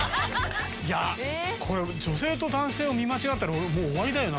いや女性と男性を見間違ったら俺終わりだよな。